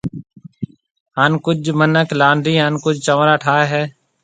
ھان ڪجھ مِنک لانڊَي ھان ڪجھ چنورا ٺائيَ ھيََََ